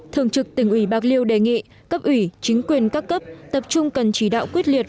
thường trực tỉnh ủy bạc liêu đề nghị cấp ủy chính quyền các cấp tập trung cần chỉ đạo quyết liệt